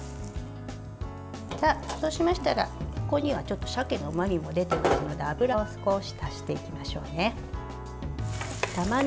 そうしましたらここにはちょっと鮭のうまみも出ていますので油を少し足していきましょうね。